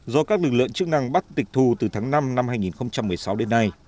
do các lực lượng chức năng bắt tịch thu từ tháng năm năm hai nghìn một mươi sáu đến nay